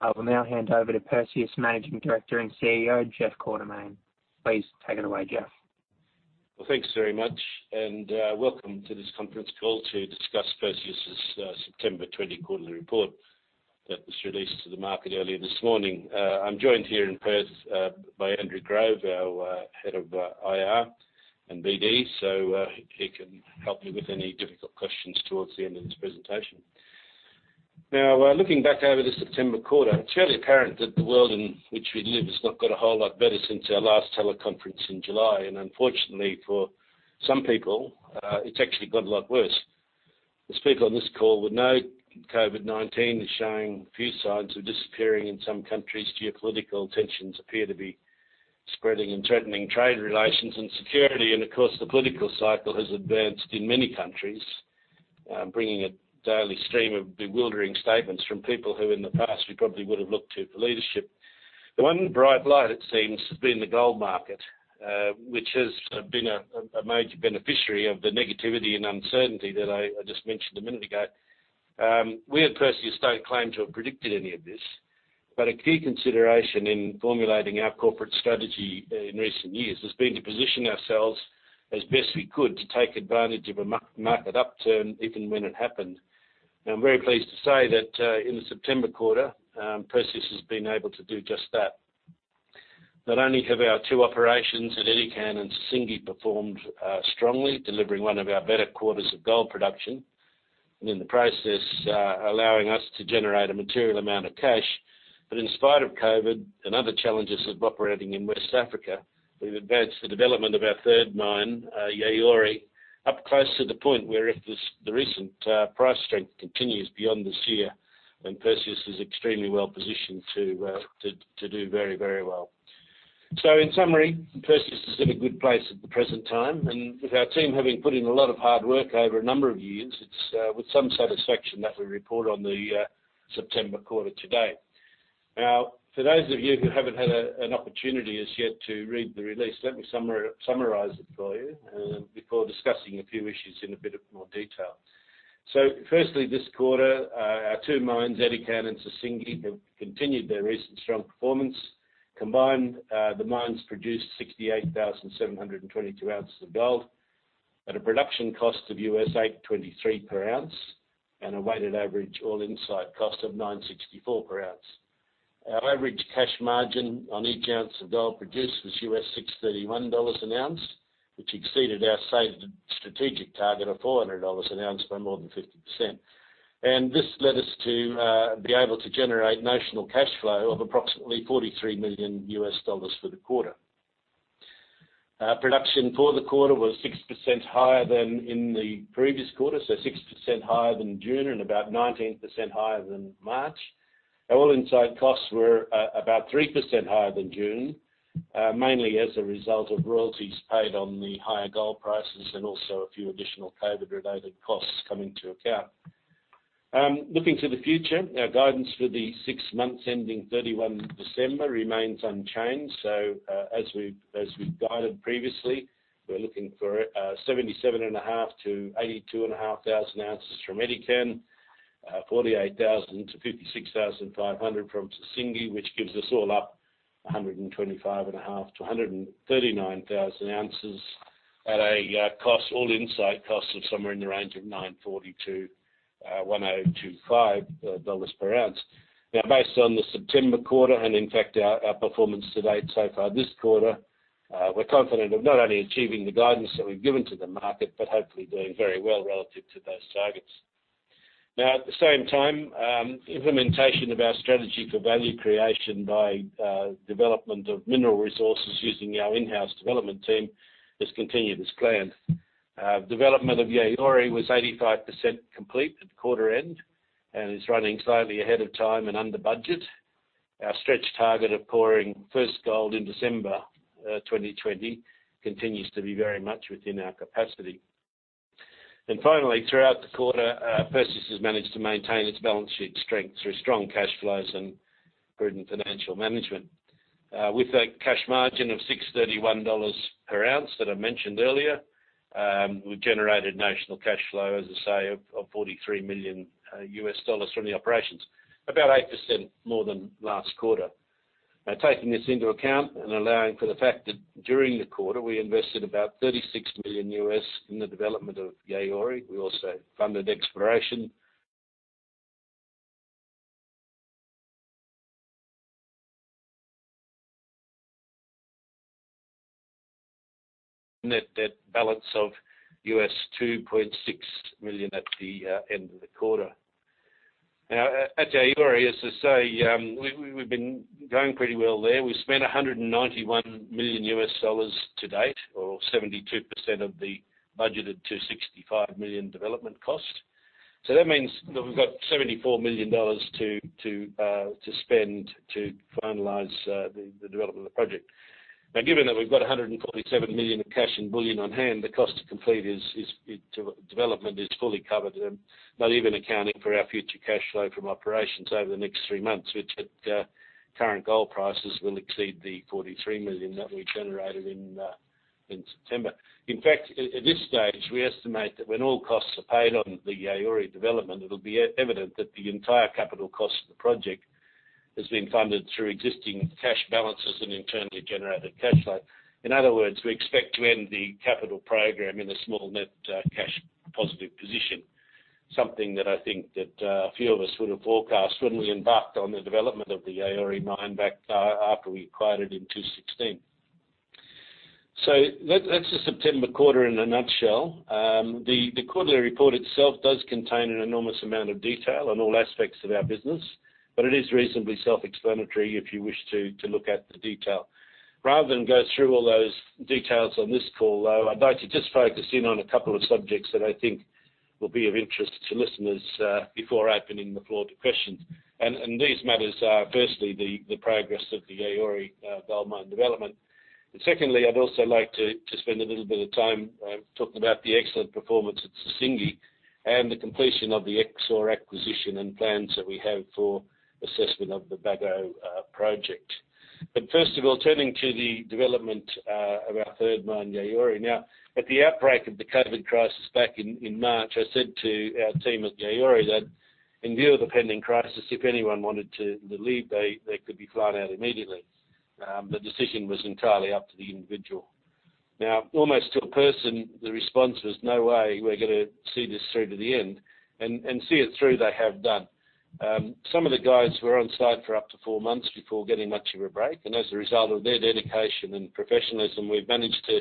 I will now hand over to Perseus Managing Director and CEO, Jeff Quartermaine. Please take it away, Jeff. Thanks very much, and welcome to this conference call to discuss Perseus' September 20 quarterly report that was released to the market earlier this morning. I'm joined here in Perth by Andrew Grove, our Head of IR and BD, so he can help me with any difficult questions towards the end of this presentation. Looking back over the September quarter, it's fairly apparent that the world in which we live has not got a whole lot better since our last teleconference in July, and unfortunately for some people, it's actually got a lot worse. As people on this call would know, COVID-19 is showing few signs of disappearing in some countries. Geopolitical tensions appear to be spreading and threatening trade relations and security. Of course, the political cycle has advanced in many countries, bringing a daily stream of bewildering statements from people who in the past we probably would have looked to for leadership. The one bright light it seems to be in the gold market, which has been a major beneficiary of the negativity and uncertainty that I just mentioned a minute ago. We at Perseus don't claim to have predicted any of this, a key consideration in formulating our corporate strategy in recent years has been to position ourselves as best we could to take advantage of a market upturn, even when it happened. I'm very pleased to say that in the September quarter, Perseus has been able to do just that. Not only have our two operations at Edikan and Sissingué performed strongly, delivering one of our better quarters of gold production, and in the process allowing us to generate a material amount of cash. In spite of COVID and other challenges of operating in West Africa, we've advanced the development of our third mine, Yaouré, up close to the point where if the recent price strength continues beyond this year, then Perseus is extremely well-positioned to do very well. In summary, Perseus is in a good place at the present time, and with our team having put in a lot of hard work over a number of years, it's with some satisfaction that we report on the September quarter today. For those of you who haven't had an opportunity as yet to read the release, let me summarize it for you before discussing a few issues in a bit of more detail. Firstly, this quarter, our two mines, Edikan and Sissingué, have continued their recent strong performance. Combined, the mines produced 68,722 ounces of gold at a production cost of $823 per ounce and a weighted average all-in site cost of $964 per ounce. Our average cash margin on each ounce of gold produced was $631 an ounce, which exceeded our saved strategic target of $400 an ounce by more than 50%. This led us to be able to generate notional cash flow of approximately $43 million for the quarter. Production for the quarter was 6% higher than in the previous quarter, so 6% higher than June and about 19% higher than March. Our all-in site costs were about 3% higher than June, mainly as a result of royalties paid on the higher gold prices and also a few additional COVID-19-related costs come into account. As we've guided previously, we're looking for 77,500-82,500 ounces from Edikan, 48,000-56,500 from Sissingué, which gives us all up 125,500-139,000 ounces at all-in site costs of somewhere in the range of $940-1,025 per ounce. Based on the September quarter and in fact our performance to date so far this quarter, we're confident of not only achieving the guidance that we've given to the market but hopefully doing very well relative to those targets. At the same time, implementation of our strategy for value creation by development of mineral resources using our in-house development team has continued as planned. Development of Yaouré was 85% complete at quarter end and is running slightly ahead of time and under budget. Our stretch target of pouring first gold in December 2020 continues to be very much within our capacity. Finally, throughout the quarter, Perseus has managed to maintain its balance sheet strength through strong cash flows and prudent financial management. With a cash margin of $631 per ounce that I mentioned earlier, we've generated notional cash flow, as I say, of $43 million from the operations, about 8% more than last quarter. Taking this into account and allowing for the fact that during the quarter, we invested about $36 million in the development of Yaouré. We also funded exploration. Net debt balance of $2.6 million at the end of the quarter. At Yaouré, as I say, we've been going pretty well there. We spent $191 million to date or 72% of the budgeted $265 million development cost. That means that we've got $74 million to spend to finalize the development of the project. Given that we've got $147 million of cash and bullion on hand, the cost to complete development is fully covered, not even accounting for our future cash flow from operations over the next three months, which at current gold prices will exceed the $43 million that we generated in September. At this stage, we estimate that when all costs are paid on the Yaouré development, it'll be evident that the entire capital cost of the project has been funded through existing cash balances and internally generated cash flow. In other words, we expect to end the capital program in a small net cash positive position. Something that I think that few of us would have forecast when we embarked on the development of the Yaouré mine back after we acquired it in 2016. That's the September quarter in a nutshell. The quarterly report itself does contain an enormous amount of detail on all aspects of our business, but it is reasonably self-explanatory if you wish to look at the detail. Rather than go through all those details on this call, though, I'd like to just focus in on a couple of subjects that I think will be of interest to listeners, before opening the floor to questions. These matters are, firstly, the progress of the Yaouré Gold Mine development. Secondly, I'd also like to spend a little bit of time talking about the excellent performance at Sissingué and the completion of the Exore acquisition and plans that we have for assessment of the Bagoé Project. First of all, turning to the development of our third mine, Yaouré. At the outbreak of the COVID-19 crisis back in March, I said to our team at Yaouré that in view of the pending crisis, if anyone wanted to leave, they could be flown out immediately. The decision was entirely up to the individual. Almost to a person, the response was, "No way. We're going to see this through to the end." See it through they have done. Some of the guys were on-site for up to four months before getting much of a break. As a result of their dedication and professionalism, we've managed to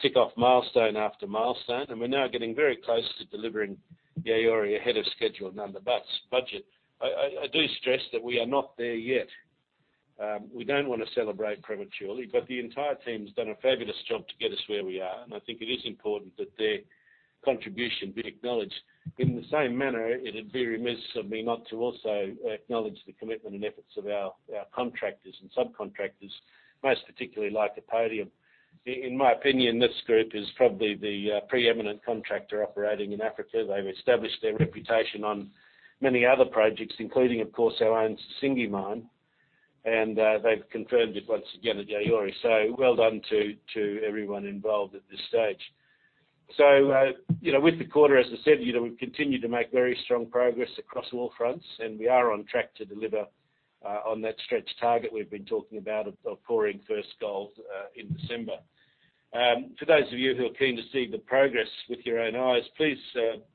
tick off milestone after milestone. We're now getting very close to delivering Yaouré ahead of schedule and under budget. I do stress that we are not there yet. We don't want to celebrate prematurely, but the entire team's done a fabulous job to get us where we are. I think it is important that their contribution be acknowledged. In the same manner, it'd be remiss of me not to also acknowledge the commitment and efforts of our contractors and subcontractors, most particularly Lycopodium. In my opinion, this group is probably the preeminent contractor operating in Africa. They've established their reputation on many other projects, including, of course, our own Sissingué mine, and they've confirmed it once again at Yaouré. Well done to everyone involved at this stage. With the quarter, as I said, we've continued to make very strong progress across all fronts, and we are on track to deliver on that stretched target we've been talking about of pouring first gold in December. For those of you who are keen to see the progress with your own eyes, please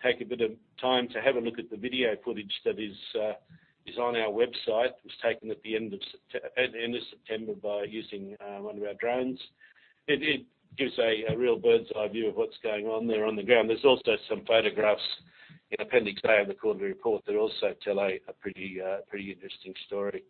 take a bit of time to have a look at the video footage that is on our website. It was taken at the end of September by using one of our drones. It gives a real bird's-eye view of what's going on there on the ground. There's also some photographs in appendix A of the quarterly report that also tell a pretty interesting story.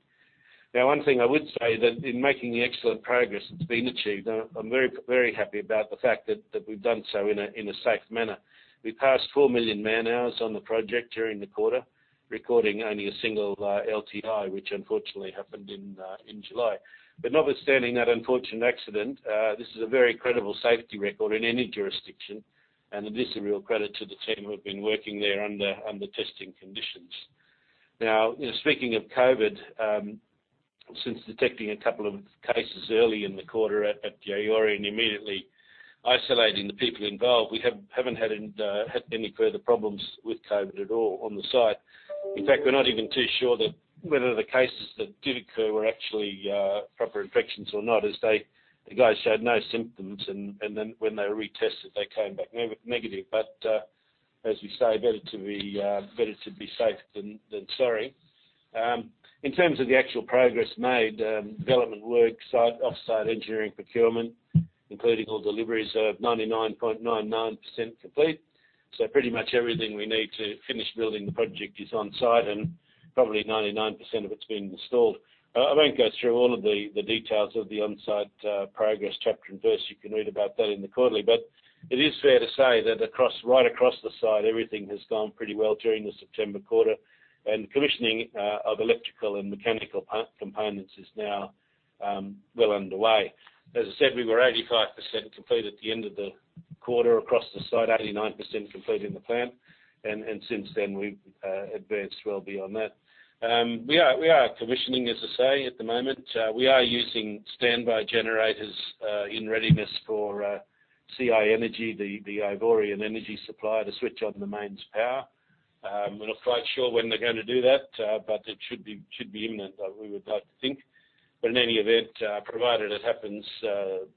One thing I would say that in making the excellent progress that's been achieved, I'm very happy about the fact that we've done so in a safe manner. We passed 4 million man-hours on the project during the quarter, recording only one LTI, which unfortunately happened in July. Notwithstanding that unfortunate accident, this is a very credible safety record in any jurisdiction, and it is a real credit to the team who have been working there under testing conditions. Speaking of COVID, since detecting a couple of cases early in the quarter at Yaouré and immediately isolating the people involved, we haven't had any further problems with COVID at all on the site. In fact, we're not even too sure that whether the cases that did occur were actually proper infections or not, as the guys showed no symptoms, and then when they retested, they came back negative. As we say, better to be safe than sorry. In terms of the actual progress made, development work, site, offsite engineering, procurement, including all deliveries are 99.99% complete. Pretty much everything we need to finish building the project is on-site, and probably 99% of it's been installed. I won't go through all of the details of the on-site progress chapter and verse. You can read about that in the quarterly. It is fair to say that right across the site, everything has gone pretty well during the September quarter, and commissioning of electrical and mechanical components is now well underway. As I said, we were 85% complete at the end of the quarter across the site, 89% complete in the plant. Since then, we've advanced well beyond that. We are commissioning, as I say, at the moment. We are using standby generators in readiness for CIE, the Ivorian energy supplier, to switch on the mains power. We're not quite sure when they're going to do that. It should be imminent, we would like to think. In any event, provided it happens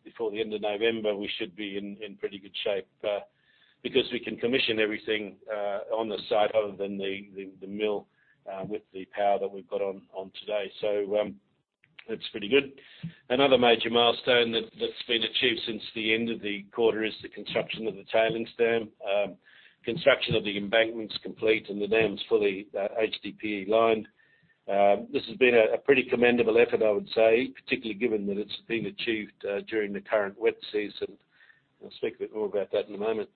before the end of November, we should be in pretty good shape because we can commission everything on the site other than the mill with the power that we've got on today. That's pretty good. Another major milestone that's been achieved since the end of the quarter is the construction of the tailings dam. Construction of the embankment's complete. The dam's fully HDPE-lined. This has been a pretty commendable effort, I would say, particularly given that it's been achieved during the current wet season. I'll speak a bit more about that in a moment.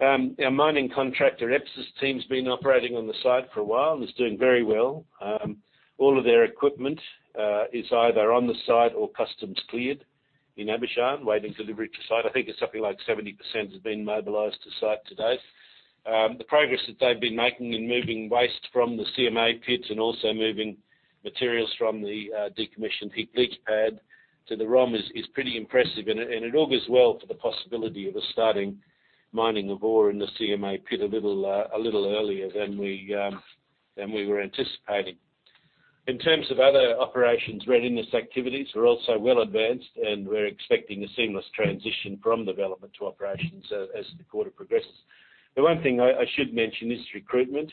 Our mining contractor, EPSA team's, been operating on the site for a while and is doing very well. All of their equipment is either on the site or customs cleared in Abidjan, waiting delivery to site. I think it's something like 70% has been mobilized to site to date. The progress that they've been making in moving waste from the CMA pits and also moving materials from the decommissioned heap leach pad to the ROM is pretty impressive. It augurs well for the possibility of us starting mining ore in the CMA pit a little earlier than we were anticipating. In terms of other operations, readiness activities are also well advanced, and we're expecting a seamless transition from development to operations as the quarter progresses. The one thing I should mention is recruitment.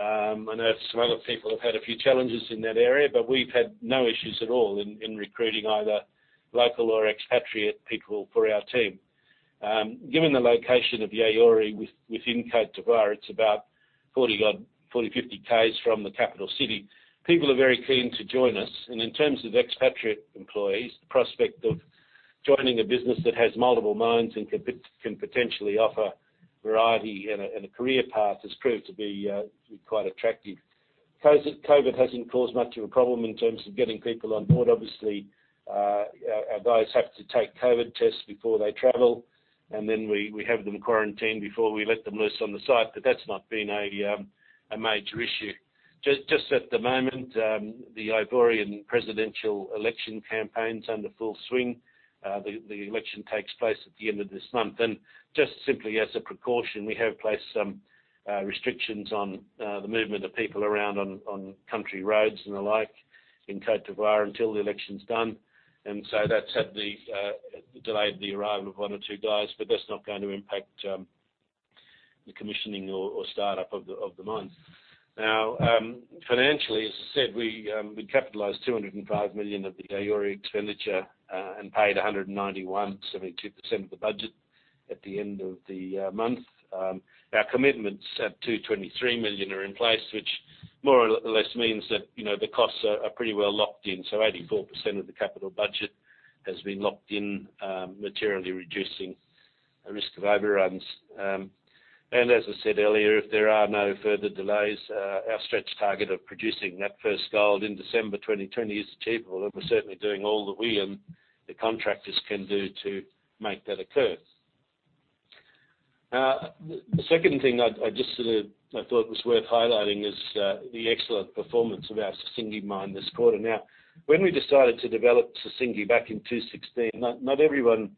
I know some other people have had a few challenges in that area, but we've had no issues at all in recruiting either local or expatriate people for our team. Given the location of Yaouré within Côte d'Ivoire, it's about 40, 50 km from the capital city. People are very keen to join us. In terms of expatriate employees, the prospect of joining a business that has multiple mines and can potentially offer variety and a career path has proved to be quite attractive. COVID hasn't caused much of a problem in terms of getting people on board. Obviously, our guys have to take COVID tests before they travel, and then we have them quarantined before we let them loose on the site. That's not been a major issue. Just at the moment, the Ivoirian presidential election campaign's under full swing. The election takes place at the end of this month. Just simply as a precaution, we have placed some restrictions on the movement of people around on country roads and the like in Côte d'Ivoire until the election's done. That's delayed the arrival of one or two guys, but that's not going to impact the commissioning or startup of the mine. Now, financially, as I said, we capitalized $205 million of the Yaouré expenditure and paid $191, 72% of the budget at the end of the month. Our commitments at $223 million are in place, which more or less means that the costs are pretty well locked in. 84% of the capital budget has been locked in, materially reducing risk of overruns. As I said earlier, if there are no further delays, our stretch target of producing that first gold in December 2020 is achievable, and we're certainly doing all that we and the contractors can do to make that occur. The second thing I just thought was worth highlighting is the excellent performance of our Sissingué mine this quarter. Now, when we decided to develop Sissingué back in 2016, not everyone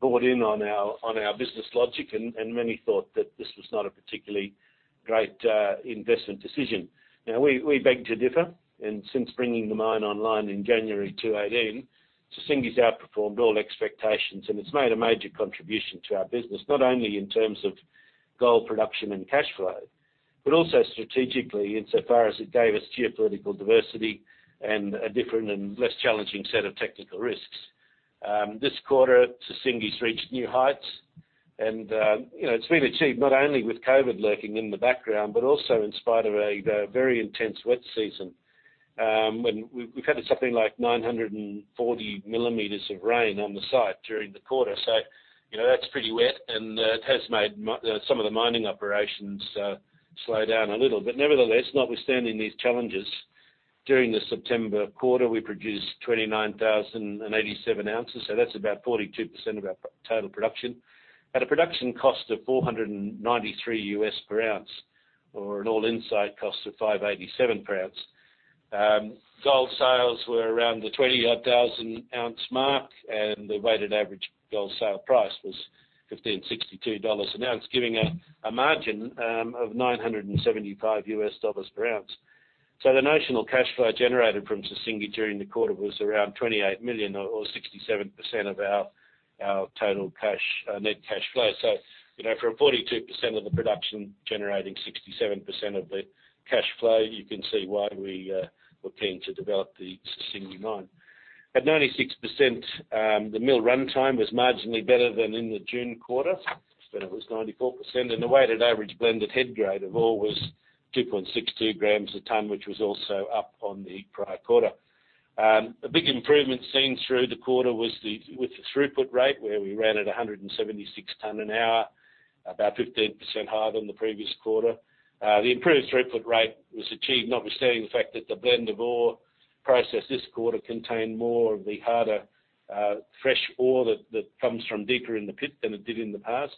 bought in on our business logic, and many thought that this was not a particularly great investment decision. We beg to differ, and since bringing the mine online in January 2018, Sissingué's outperformed all expectations, and it's made a major contribution to our business, not only in terms of gold production and cash flow, but also strategically, insofar as it gave us geopolitical diversity and a different and less challenging set of technical risks. This quarter, Sissingué's reached new heights and it's been achieved not only with COVID-19 lurking in the background, but also in spite of a very intense wet season. We've had something like 940 millimeters of rain on the site during the quarter. That's pretty wet, and it has made some of the mining operations slow down a little. Nevertheless, notwithstanding these challenges, during the September quarter, we produced 29,087 ounces. That's about 42% of our total production. At a production cost of $493 per ounce or an all-in site cost of $587 per ounce. Gold sales were around the 20,000-ounce mark, and the weighted average gold sale price was $1,562 an ounce, giving a margin of $975 per ounce. The notional cash flow generated from Sissingué during the quarter was around $28 million or 67% of our total net cash flow. For a 42% of the production generating 67% of the cash flow, you can see why we're keen to develop the Sissingué mine. At 96%, the mill runtime was marginally better than in the June quarter, when it was 94%, and the weighted average blended head grade of ore was 2.62 grams a ton, which was also up on the prior quarter. A big improvement seen through the quarter was with the throughput rate, where we ran at 176 tons an hour, about 15% higher than the previous quarter. The improved throughput rate was achieved notwithstanding the fact that the blend of ore processed this quarter contained more of the harder fresh ore that comes from deeper in the pit than it did in the past.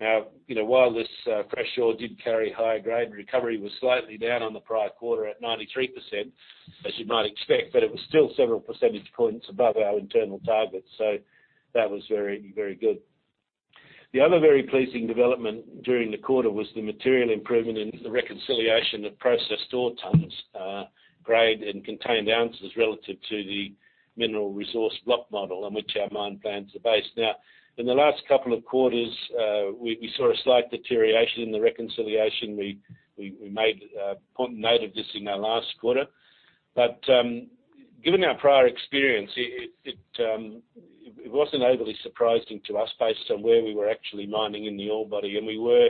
Now, while this fresh ore did carry higher grade, recovery was slightly down on the prior quarter at 93%, as you might expect, but it was still several percentage points above our internal target. That was very, very good. The other very pleasing development during the quarter was the material improvement in the reconciliation of processed ore tons grade and contained ounces relative to the mineral resource block model on which our mine plans are based. In the last couple of quarters, we saw a slight deterioration in the reconciliation. We made a point note of this in our last quarter. Given our prior experience, it wasn't overly surprising to us based on where we were actually mining in the ore body, and we were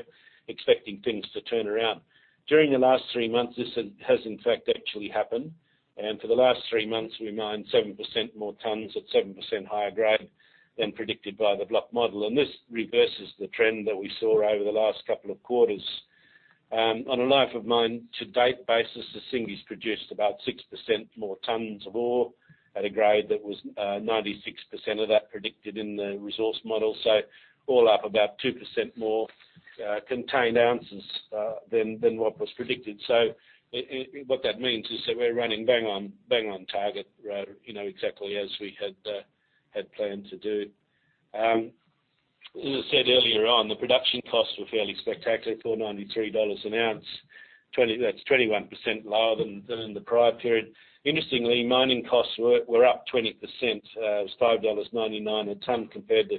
expecting things to turn around. During the last three months, this has in fact actually happened, and for the last three months, we mined 7% more tons at 7% higher grade than predicted by the block model. This reverses the trend that we saw over the last couple of quarters. On a life of mine to date basis, Sissingué's produced about 6% more tons of ore at a grade that was 96% of that predicted in the resource model. All up about 2% more contained ounces than what was predicted. What that means is that we're running bang on target, exactly as we had planned to do. As I said earlier on, the production costs were fairly spectacular, $493 an ounce. That's 21% lower than in the prior period. Interestingly, mining costs were up 20%. It was $5.99 a ton compared to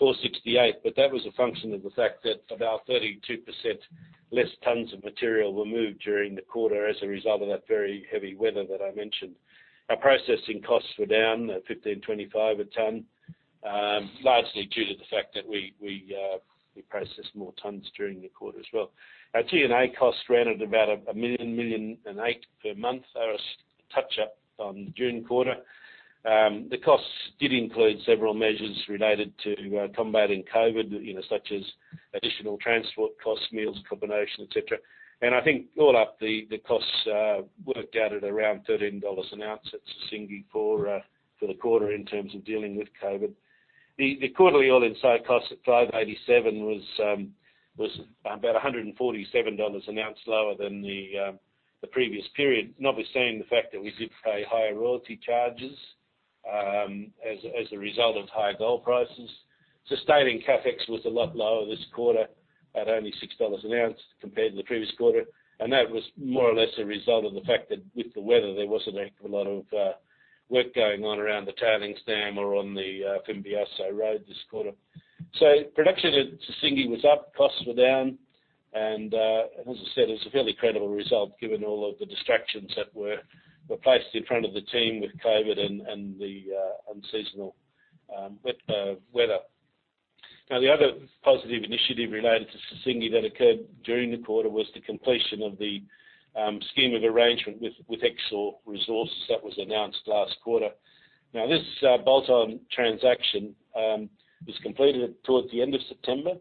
$4.68, that was a function of the fact that about 32% less tons of material were moved during the quarter as a result of that very heavy weather that I mentioned. Our processing costs were down $15.25 a ton, largely due to the fact that we processed more tons during the quarter as well. Our G&A costs ran at about $1 million, $1.8 million per month. They were a touch up on the June quarter. The costs did include several measures related to combating COVID-19, such as additional transport costs, meals, accommodation, et cetera. I think all up the costs worked out at around $13 an ounce at Sissingué for the quarter in terms of dealing with COVID. The quarterly all-in site costs at $587 was about $147 an ounce lower than the previous period. Notwithstanding the fact that we did pay higher royalty charges as a result of higher gold prices. Sustaining CapEx was a lot lower this quarter at only $6 an ounce compared to the previous quarter. That was more or less a result of the fact that with the weather, there wasn't a heck of a lot of work going on around the tailings dam or on the Bimbasso Road this quarter. Production at Sissingué was up, costs were down, and as I said, it was a fairly credible result given all of the distractions that were placed in front of the team with COVID-19 and the unseasonal weather. The other positive initiative related to Sissingué that occurred during the quarter was the completion of the scheme of arrangement with Exore Resources that was announced last quarter. This bolt-on transaction was completed towards the end of September,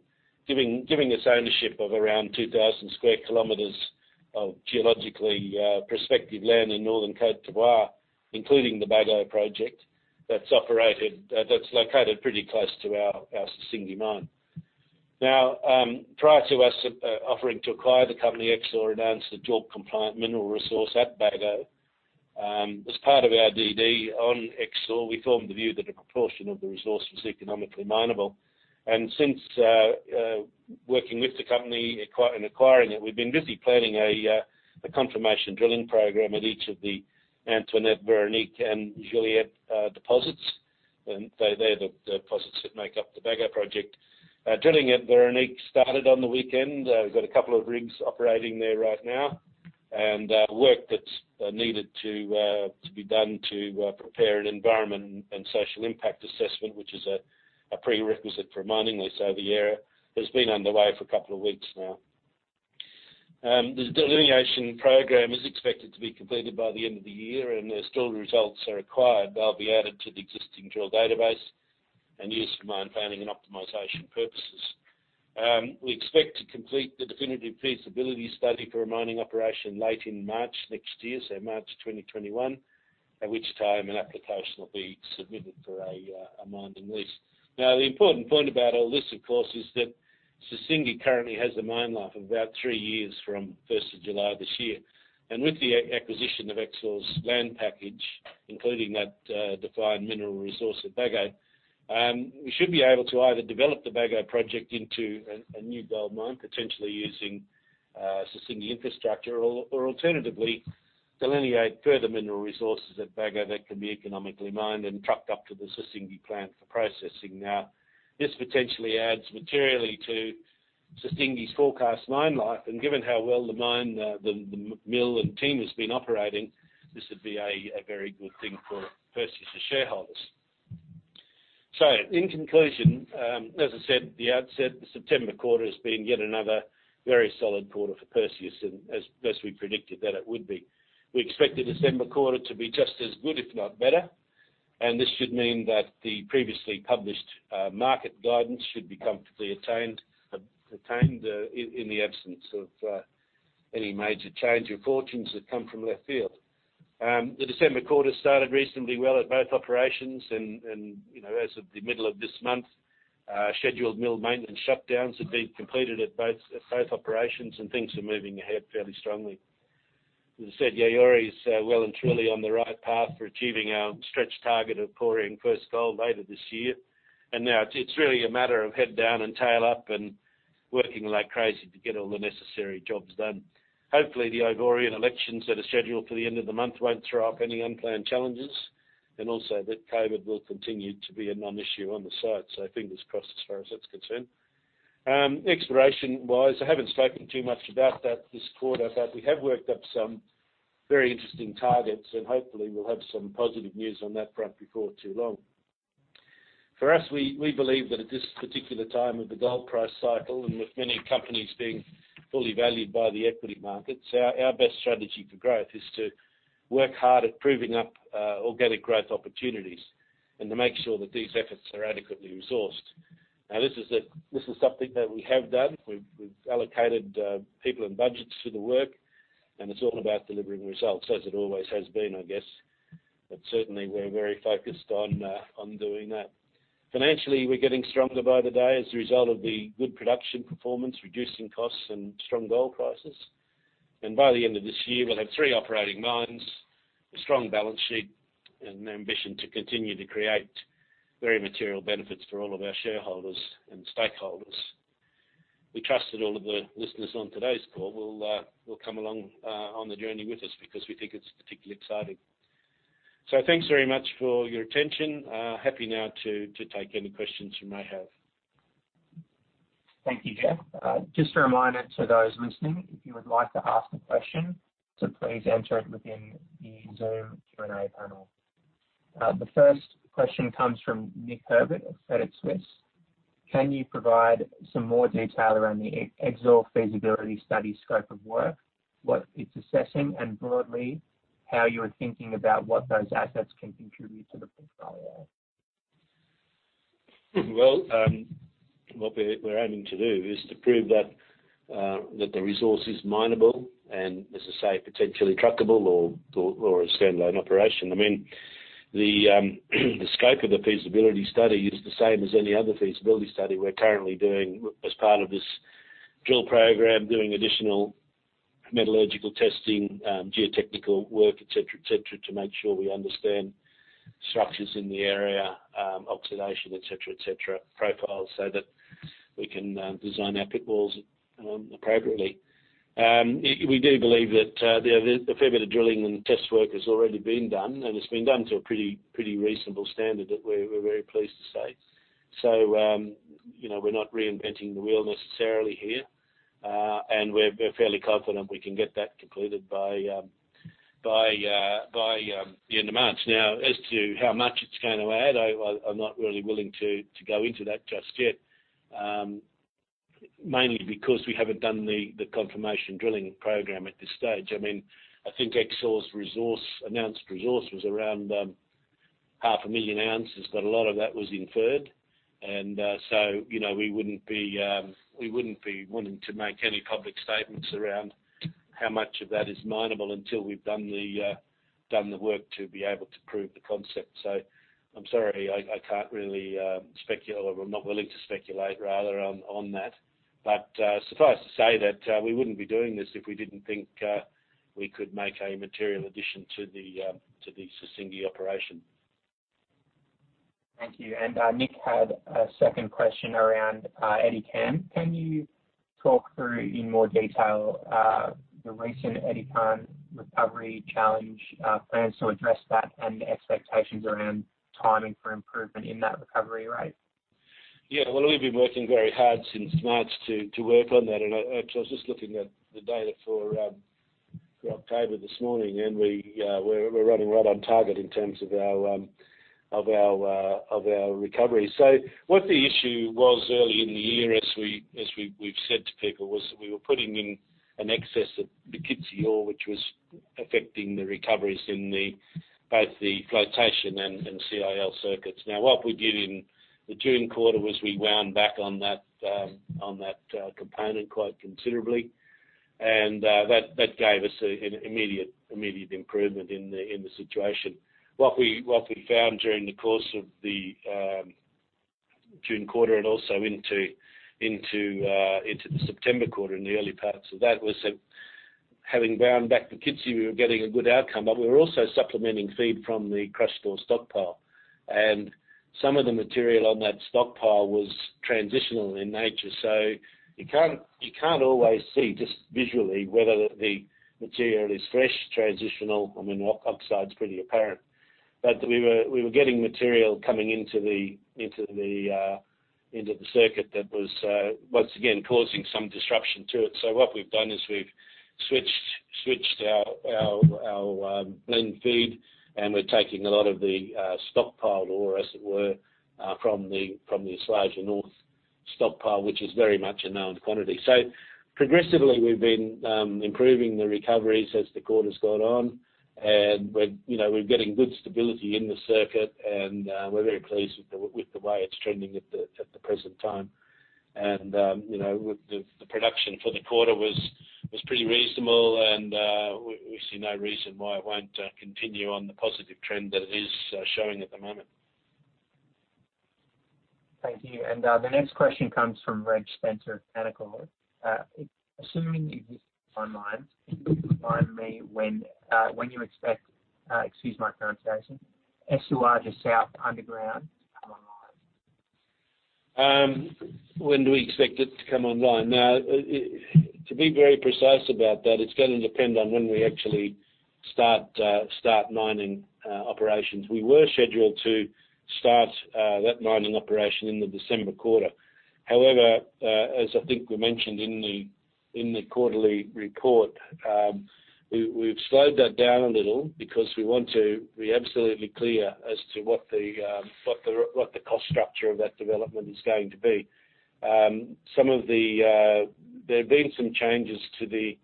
giving us ownership of around 2,000 square kilometers of geologically prospective land in Northern Côte d'Ivoire, including the Bagoé Project that's located pretty close to our Sissingué mine. Prior to us offering to acquire the company, Exore announced a JORC compliant mineral resource at Bagoé. As part of our DD on Exore, we formed the view that a proportion of the resource was economically mineable. Since working with the company and acquiring it, we've been busy planning a confirmation drilling program at each of the Antoinette, Véronique, and Juliette deposits. They're the deposits that make up the Bagoé project. Drilling at Véronique started on the weekend. We've got a couple of rigs operating there right now. Work that's needed to be done to prepare an environmental and social impact assessment, which is a prerequisite for mining this area, has been underway for a couple of weeks now. The delineation program is expected to be completed by the end of the year, and as drill results are acquired, they'll be added to the existing drill database and used for mine planning and optimization purposes. We expect to complete the definitive feasibility study for a mining operation late in March next year, so March 2021, at which time an application will be submitted for a mining lease. The important point about all this, of course, is that Sissingué currently has a mine life of about three years from 1st of July this year. With the acquisition of Exore's land package, including that defined mineral resource at Bagoé, we should be able to either develop the Bagoé project into a new gold mine, potentially using Sissingué infrastructure or alternatively delineate further mineral resources at Bagoé that can be economically mined and trucked up to the Sissingué plant for processing. This potentially adds materially to Sissingué's forecast mine life, and given how well the mine, the mill, and team has been operating, this would be a very good thing for Perseus' shareholders. In conclusion, as I said at the outset, the September quarter has been yet another very solid quarter for Perseus, and as best we predicted that it would be. We expect the December quarter to be just as good, if not better. This should mean that the previously published market guidance should be comfortably attained, in the absence of any major change of fortunes that come from left field. The December quarter started reasonably well at both operations, and as of the middle of this month, scheduled mill maintenance shutdowns have been completed at both operations, and things are moving ahead fairly strongly. As I said, Yaouré is well and truly on the right path for achieving our stretched target of pouring first gold later this year. Now it's really a matter of head down and tail up and working like crazy to get all the necessary jobs done. Hopefully, the Ivorian elections that are scheduled for the end of the month won't throw up any unplanned challenges, and also that COVID will continue to be a non-issue on the site. Fingers crossed as far as that's concerned. Exploration-wise, I haven't spoken too much about that this quarter, but we have worked up some very interesting targets, and hopefully we'll have some positive news on that front before too long. For us, we believe that at this particular time of the gold price cycle, and with many companies being fully valued by the equity markets, our best strategy for growth is to work hard at proving up organic growth opportunities. To make sure that these efforts are adequately resourced. Now, this is something that we have done. We've allocated people and budgets to the work, and it's all about delivering results, as it always has been, I guess. Certainly, we're very focused on doing that. Financially, we're getting stronger by the day as a result of the good production performance, reducing costs, and strong gold prices. By the end of this year, we'll have three operating mines, a strong balance sheet, and an ambition to continue to create very material benefits for all of our shareholders and stakeholders. We trust that all of the listeners on today's call will come along on the journey with us, because we think it's particularly exciting. Thanks very much for your attention. Happy now to take any questions you may have. Thank you, Jeff. Just a reminder to those listening, if you would like to ask a question, to please enter it within the Zoom Q&A panel. The first question comes from Nick Herbert of Credit Suisse. Can you provide some more detail around the Exore feasibility study scope of work, what it's assessing, and broadly, how you're thinking about what those assets can contribute to the portfolio? Well, what we're aiming to do is to prove that the resource is mineable, and as I say, potentially truckable or a standalone operation. The scope of the feasibility study is the same as any other feasibility study we're currently doing as part of this drill program. Doing additional metallurgical testing, geotechnical work, et cetera, to make sure we understand structures in the area, oxidation, et cetera, profiles, so that we can design our pit walls appropriately. We do believe that a fair bit of drilling and test work has already been done, and it's been done to a pretty reasonable standard, we're very pleased to say. We're not reinventing the wheel necessarily here. We're fairly confident we can get that concluded by the end of March. Now, as to how much it's going to add, I'm not really willing to go into that just yet. Mainly because we haven't done the confirmation drilling program at this stage. I think Exore's announced resource was around half a million ounces, but a lot of that was inferred. We wouldn't be willing to make any public statements around how much of that is mineable until we've done the work to be able to prove the concept. I'm sorry, I can't really speculate, or I'm not willing to speculate rather on that. Suffice to say that we wouldn't be doing this if we didn't think we could make a material addition to the Sissingué operation. Thank you. Nick had a second question around Edikan. Can you talk through in more detail the recent Edikan recovery challenge, plans to address that, and expectations around timing for improvement in that recovery rate? Well, we've been working very hard since March to work on that. Actually, I was just looking at the data for October this morning, and we're running right on target in terms of our recovery. What the issue was early in the year, as we've said to people, was that we were putting in an excess of Bokitsi ore, which was affecting the recoveries in both the flotation and CIL circuits. What we did in the June quarter was we wound back on that component quite considerably. That gave us an immediate improvement in the situation. What we found during the course of the June quarter and also into the September quarter, in the early parts of that, was that having wound back Bokitsi, we were getting a good outcome. We were also supplementing feed from the crushed ore stockpile. Some of the material on that stockpile was transitional in nature. You can't always see just visually whether the material is fresh, transitional. Oxide's pretty apparent. We were getting material coming into the circuit that was, once again, causing some disruption to it. What we've done is we've switched our blend feed, and we're taking a lot of the stockpiled ore, as it were, from the Esuajah North stockpile, which is very much a known quantity. Progressively, we've been improving the recoveries as the quarter's gone on. We're getting good stability in the circuit, and we're very pleased with the way it's trending at the present time. The production for the quarter was pretty reasonable. We see no reason why it won't continue on the positive trend that it is showing at the moment. Thank you. The next question comes from Reg Spencer of Canaccord. Assuming this is online, can you remind me when you expect, excuse my pronunciation, Esuajah South underground to come online? When do we expect it to come online? To be very precise about that, it's going to depend on when we actually start mining operations. We were scheduled to start that mining operation in the December quarter. As I think we mentioned in the quarterly report, we've slowed that down a little because we want to be absolutely clear as to what the cost structure of that development is going to be. There have been some changes to the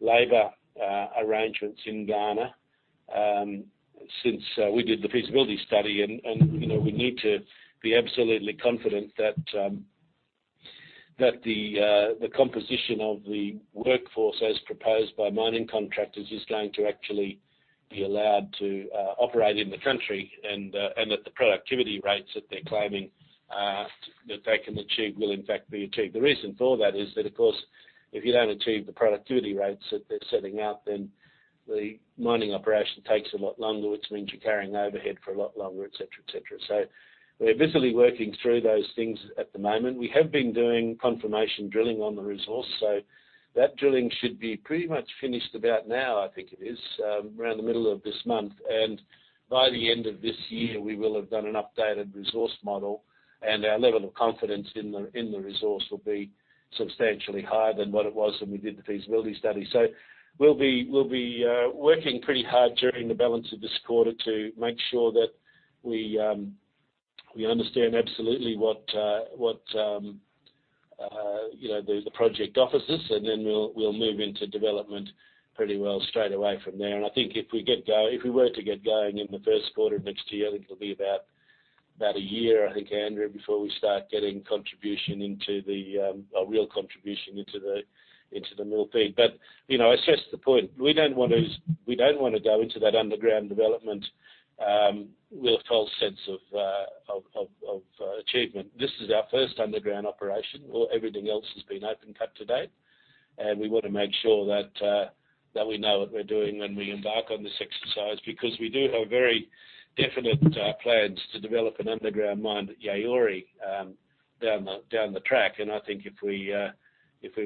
labor arrangements in Ghana since we did the feasibility study. We need to be absolutely confident that the composition of the workforce, as proposed by mining contractors, is going to actually be allowed to operate in the country, and that the productivity rates that they're claiming that they can achieve will in fact be achieved. The reason for that is that, of course, if you don't achieve the productivity rates that they're setting out, then the mining operation takes a lot longer, which means you're carrying overhead for a lot longer, et cetera. We're busily working through those things at the moment. We have been doing confirmation drilling on the resource. That drilling should be pretty much finished about now, I think it is, around the middle of this month. By the end of this year, we will have done an updated resource model, and our level of confidence in the resource will be substantially higher than what it was when we did the feasibility study. We'll be working pretty hard during the balance of this quarter to make sure that we understand absolutely what the project offers us, and then we'll move into development pretty well straight away from there. I think if we were to get going in the first quarter of next year, it'll be about a year, I think, Andrew, before we start getting a real contribution into the mill feed. It's just the point. We don't want to go into that underground development with a false sense of achievement. Everything else has been open cut to date, and we want to make sure that we know what we're doing when we embark on this exercise, because we do have very definite plans to develop an underground mine at Yaouré down the track. I think if we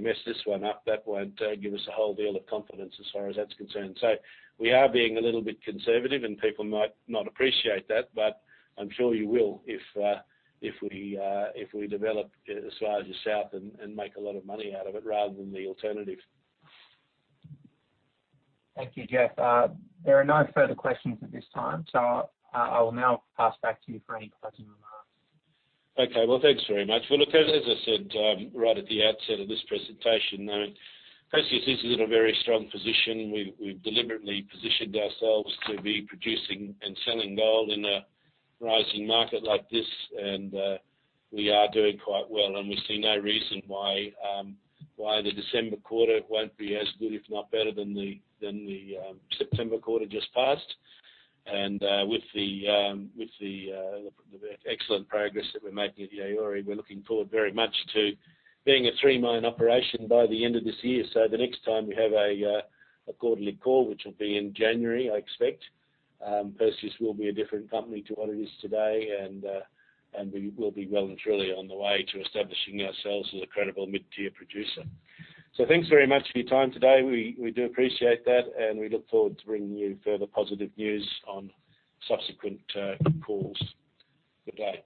mess this one up, that won't give us a whole deal of confidence as far as that's concerned. We are being a little bit conservative, and people might not appreciate that, but I'm sure you will if we develop Esuajah South and make a lot of money out of it rather than the alternative. Thank you, Jeff. There are no further questions at this time, so I will now pass back to you for any closing remarks. Okay. Well, thanks very much. Well, look, as I said right at the outset of this presentation, Perseus is in a very strong position. We've deliberately positioned ourselves to be producing and selling gold in a rising market like this, and we are doing quite well. We see no reason why the December quarter won't be as good, if not better, than the September quarter just passed. With the excellent progress that we're making at Yaouré, we're looking forward very much to being a three-mine operation by the end of this year. The next time we have a quarterly call, which will be in January, I expect, Perseus will be a different company to what it is today. We will be well and truly on the way to establishing ourselves as a credible mid-tier producer. Thanks very much for your time today. We do appreciate that, and we look forward to bringing you further positive news on subsequent calls. Good day.